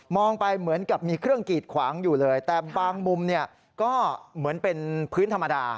ไปเหมือนกับมีเครื่องกีดขวางอยู่เลยแต่บางมุมเนี่ยก็เหมือนเป็นพื้นธรรมดา